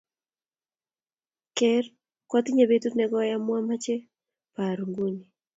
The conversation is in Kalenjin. Ker kwatinye petut nekoi amu amache paru nguni